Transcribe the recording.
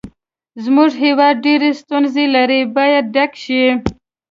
زموږ هېواد ډېرې ستونزې لري باید ډک شي.